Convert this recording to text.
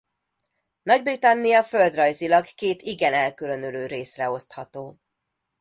Nagy-Britannia földrajzilag két igen elkülönülő részre osztható.